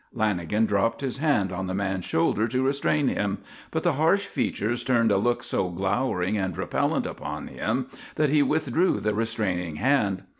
Lanagan dropped his hand on the man's shoulder to restrain him. But the harsh features turned a look so glowering and repellent upon him that he withdrew the restraining hand.